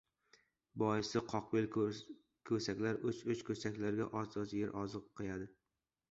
Boisi — qoqbel ko‘saklar uch-uch ko‘saklarga oz-oz yer oziq qiyadi.